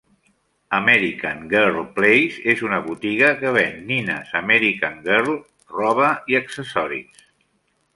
American Girl Place és una botiga que ven nines American Girl, roba i accessoris.